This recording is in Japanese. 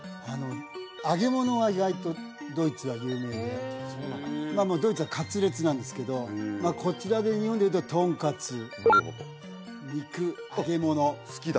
揚げ物は意外とドイツは有名でまあドイツはカツレツなんですけどこちらで日本でいうとトンカツ肉揚げ物好きだ！